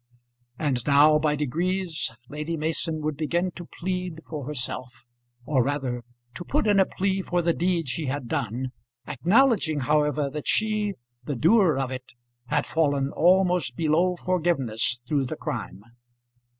And now, by degrees, Lady Mason would begin to plead for herself, or rather, to put in a plea for the deed she had done, acknowledging, however, that she, the doer of it, had fallen almost below forgiveness through the crime.